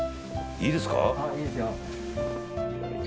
いいですよ。